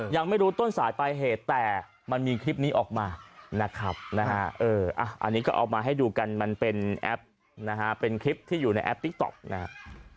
ยังไม่รู้ต้นสายปลายเหตุแต่มันมีคลิปนี้ออกมานะครับนะฮะอันนี้ก็เอามาให้ดูกันมันเป็นแอปนะฮะเป็นคลิปที่อยู่ในแอปติ๊กต๊อกนะครับ